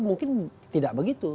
mungkin tidak begitu